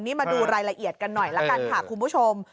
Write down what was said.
นี่มาดูรายละเอียดกันหน่อยละกันค่ะคุณผู้ชม